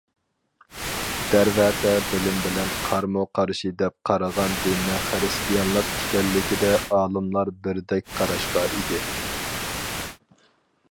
دەرۋەقە بىلىم بىلەن قارىمۇقارشى دەپ قارىغان دىننىڭ خىرىستىيانلىق ئىكەنلىكىدە ئالىملار بىردەك قاراشقا ئىگە.